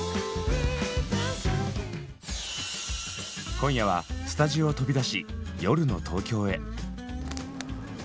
今夜はスタジオを飛び出し夜の東京へ。